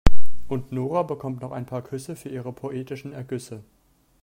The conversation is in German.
Und Nora bekommt noch ein paar Küsse für ihre poetischen Ergüsse.